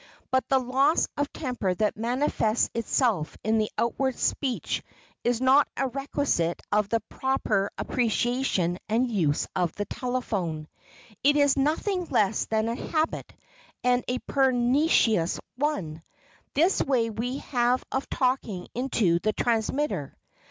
But the loss of temper that manifests itself in the outward speech is not a requisite of the proper appreciation and use of the telephone. It is nothing less than a habit, and a pernicious one,—this way we have of talking into the transmitter.